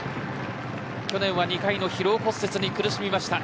去年は２回の疲労骨折に苦しみました。